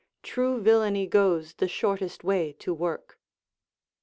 True villainy goes the shortest way to work.